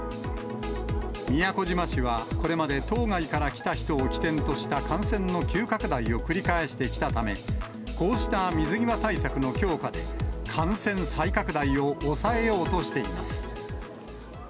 宮古島市は、これまで島外から来た人を起点とした感染の急拡大を繰り返してきたため、こうした水際対策の強化で、感染再拡大を抑えようとしています。